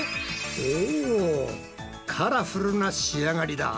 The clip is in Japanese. おカラフルな仕上がりだ！